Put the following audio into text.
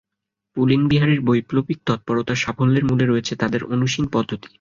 পুলিনবিহারীর বৈপ্লবিক তৎপরতার সাফল্যের মূলে রয়েছে তাদের অনুশীন পদ্ধতি।